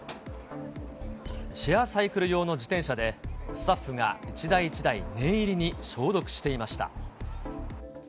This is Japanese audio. シェアサイクル用の自転車で、スタッフが一台一台念入りに消毒していました。